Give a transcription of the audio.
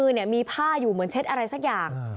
ทางด้านตรงนี้มีผ้าอยู่เหมือนเช็ดอะไรสักอย่าง